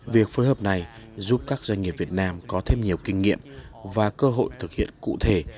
việc phối hợp này giúp các doanh nghiệp việt nam có thêm nhiều kinh nghiệm và cơ hội thực hiện cụ thể